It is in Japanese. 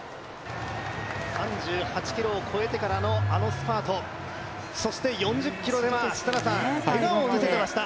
３８ｋｍを越えてからのあのスパート４０ｋｍでは笑顔を見せていました。